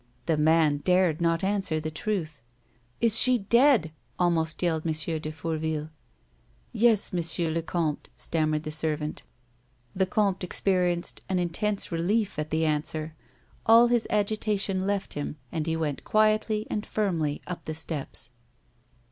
The man dared not answer the truth. " Is she dead 1 " almost yelled M. de Fourville. " Yes, Monsieur le comte," stammered the servant. The comte experienced an intense relief at the answer ; all his agitation left him, and he went quietly and fii mly up the steps.